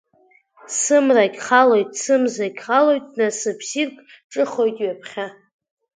Сымрагь халоит, сымзагь халоит, насыԥ ссирк ҿыхоит ҩаԥхьа.